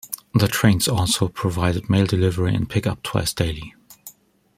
The trains also provided mail delivery and pick-up twice daily.